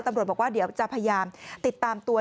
ตำรวจบอกว่าเดี๋ยวจะพยายามติดตามตัว